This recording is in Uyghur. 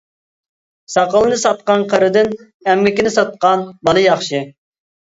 ساقىلىنى ساتقان قېرىدىن ئەمگىكىنى ساتقان بالا ياخشى.